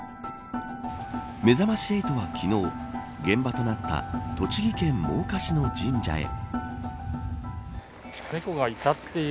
めざまし８は昨日現場となった栃木県真岡市の神社へ。